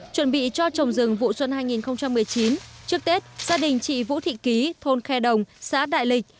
chuẩn bị cho trồng rừng vụ xuân hai nghìn một mươi chín trước tết gia đình chị vũ thị ký thôn khe đồng xã đại lịch